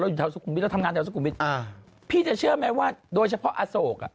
อยู่แถวสุขุมวิทเราทำงานแถวสุขุมวิทย์อ่าพี่จะเชื่อไหมว่าโดยเฉพาะอโศกอ่ะ